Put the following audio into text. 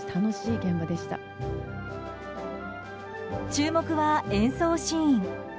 注目は演奏シーン。